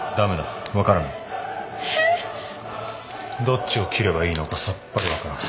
どっちを切ればいいのかさっぱり分からない。